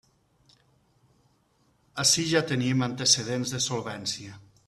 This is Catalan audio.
Ací ja tenim antecedents de solvència.